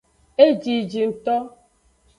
Ejiji ngto.